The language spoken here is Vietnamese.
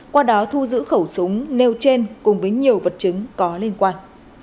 qua đó thu giữ khẩu súng nêu trên cùng với nhiều vật chứng có liên quan